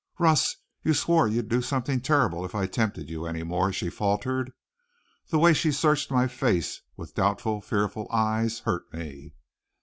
"Russ, you swore you'd do something terrible if I tempted you anymore," she faltered. The way she searched my face with doubtful, fearful eyes hurt me.